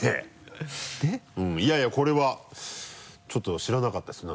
でいやいやこれはちょっと知らなかったですね。